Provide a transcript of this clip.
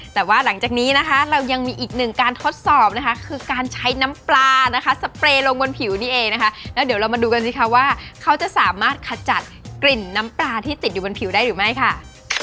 แต่ว่าหลังจากนี้นะคะเรายังมีอีกหนึ่งการทดสอบนะคะคือการใช้น้ำปลานะคะสเปรย์ลงบนผิวนี่เองนะคะแล้วเดี๋ยวเรามาดูกันสิคะว่าเขาจะสามารถขจัดกลิ่นน้ำปลาที่ติดอยู่บนผิวได้หรือไม่ค่ะ